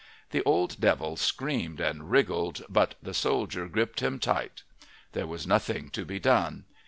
The old devil screamed and wriggled, but the soldier gripped him tight. There was nothing to be done.